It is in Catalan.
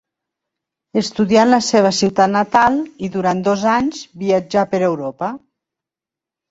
Estudià en la seva ciutat natal i durant dos anys viatjà per Europa.